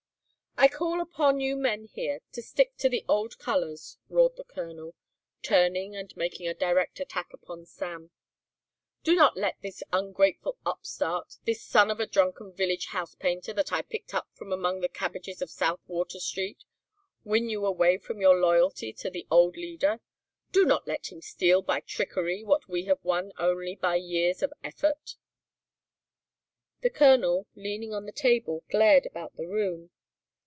"I call upon you men here to stick to the old colours," roared the colonel, turning and making a direct attack upon Sam. "Do not let this ungrateful upstart, this son of a drunken village housepainter, that I picked up from among the cabbages of South Water Street, win you away from your loyalty to the old leader. Do not let him steal by trickery what we have won only by years of effort." The colonel, leaning on the table, glared about the room.